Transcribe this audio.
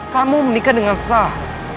kamu menikah dengan sah